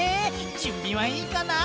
じゅんびはいいかな？